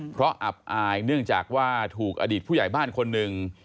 เพราะอับอายเนื่องจากว่าถูกอดีตผู้ใหญ่บ้านคนหนึ่ง